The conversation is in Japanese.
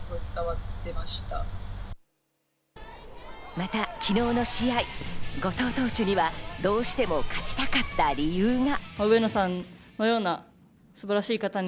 また昨日の試合、後藤投手にはどうしても勝ちたかった理由が。